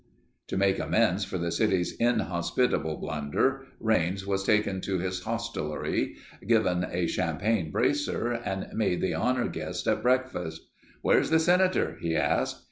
To make amends for the city's inhospitable blunder, Raines was taken to his hostelry, given a champagne bracer and made the honor guest at breakfast. "Where's the Senator?" he asked.